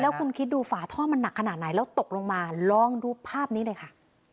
คุณคิดดูฝาท่อมันหนักขนาดไหนแล้วตกลงมาลองดูภาพนี้หน่อยค่ะ